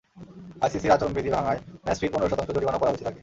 আইসিসির আচরণবিধি ভাঙায় ম্যাচ ফির পনেরো শতাংশ জরিমানাও করা হয়েছে তাঁকে।